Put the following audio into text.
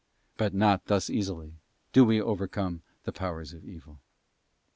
But not thus easily do we overcome the powers of evil.